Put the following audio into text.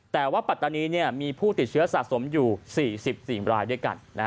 แต่ว่าปัตตานีมีผู้ติดเชื้อสะสมอยู่๔๔รายด้วยกัน